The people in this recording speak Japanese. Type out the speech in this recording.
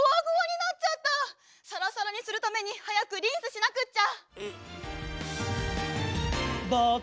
サラサラにするために早くリンスしなくっちゃ！